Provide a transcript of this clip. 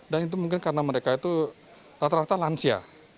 itu mungkin karena mereka itu rata rata lansia